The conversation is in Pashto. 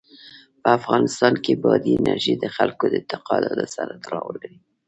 په افغانستان کې بادي انرژي د خلکو د اعتقاداتو سره تړاو لري.